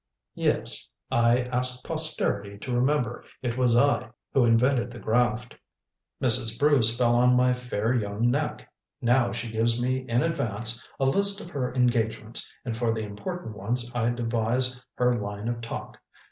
"Yes I ask posterity to remember it was I who invented the graft. Mrs. Bruce fell on my fair young neck. Now, she gives me in advance a list of her engagements, and for the important ones I devise her line of talk.